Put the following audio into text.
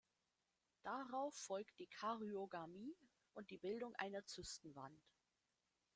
Darauf folgt die Karyogamie und die Bildung einer Zysten-Wand.